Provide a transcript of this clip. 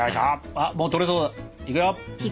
あっもう取れそうだいくよ。